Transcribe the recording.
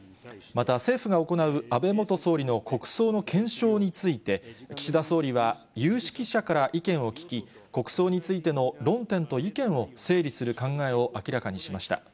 また、政府が行う安倍元総理の国葬の検証について、岸田総理は、有識者から意見を聞き、国葬についての論点と意見を整理する考えを明らかにしました。